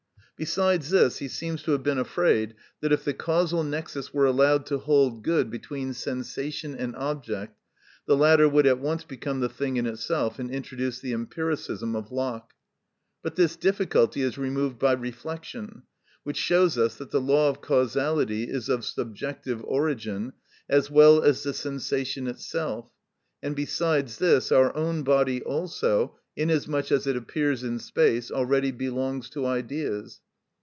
Besides this, he seems to have been afraid that if the causal nexus were allowed to hold good between sensation and object, the latter would at once become the thing in itself, and introduce the empiricism of Locke. But this difficulty is removed by reflection, which shows us that the law of causality is of subjective origin, as well as the sensation itself; and besides this, our own body also, inasmuch as it appears in space, already belongs to ideas.